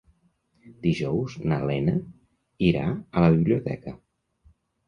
Dijous na Lena irà a la biblioteca.